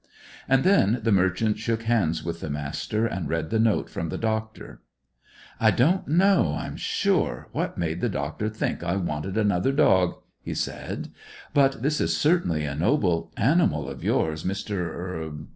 And then the merchant shook hands with the Master, and read the note from the doctor. "I don't know, I'm sure, what made the doctor think I wanted another dog," he said; "but this is certainly a noble animal of yours, Mr. er."